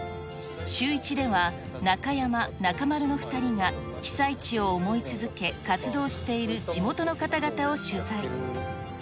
シューイチでは、中山、中丸の２人が被災地を思い続け、活動している地元の方々を取材。